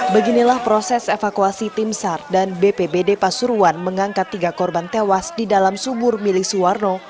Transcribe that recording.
beginilah proses evakuasi tim sar dan bpbd pasuruan mengangkat tiga korban tewas di dalam sumur milik suwarno